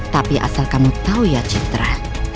tapi asal kamu tahu ya citra